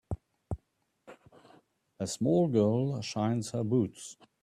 A small girl shines her boots.